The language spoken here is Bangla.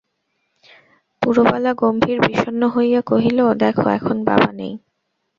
পুরবালা গম্ভীর বিষণ্ন হইয়া কহিল, দেখো, এখন বাবা নেই।